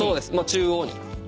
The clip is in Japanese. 中央に。